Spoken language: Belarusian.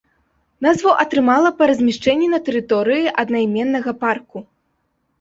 Назву атрымала па размяшчэнні на тэрыторыі аднайменнага парку.